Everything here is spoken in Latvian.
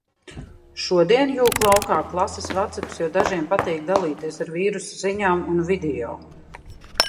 Šodien jūk laukā klases vacaps, jo dažiem patīk dalīties ar vīrusa ziņām un video.